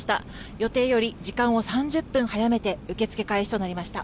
予定より時間を３０分早めて受け付け開始となりました。